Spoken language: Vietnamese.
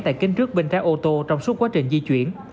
tại kính trước bên trái ô tô trong suốt quá trình di chuyển